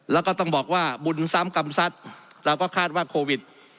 แล้วก็ต้องบอกว่าบุญซ้ำกรรมสัตว์เราก็คาดว่าโควิด